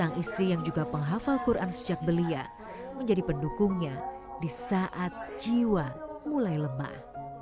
sang istri yang juga penghafal quran sejak belia menjadi pendukungnya di saat jiwa mulai lemah